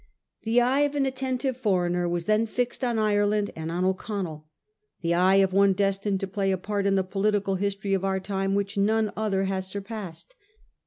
The eye of an attentive foreigner was then fixed on Ireland and on O'Connell ; the eye of one destined to play a part in the political history of our time which none other has surpassed.